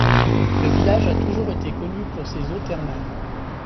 Le village a toujours été connu pour ses eaux thermales.